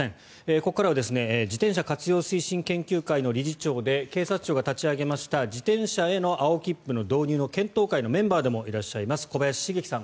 ここからは自転車活用推進研究会の理事長で警察庁が立ち上げました自転車への青切符の導入の検討会メンバーでもあります小林成基さん